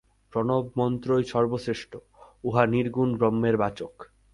প্রণব-মন্ত্রই সর্বশ্রেষ্ঠ, উহা নির্গুণ ব্রহ্মের বাচক।